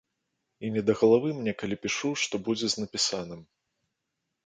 І не да галавы мне, калі пішу, што будзе з напісаным.